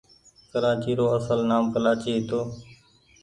ڪرآچي رو اسل نآم ڪلآچي هيتو۔